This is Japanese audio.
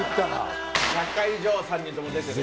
１００回以上３人とも出てる。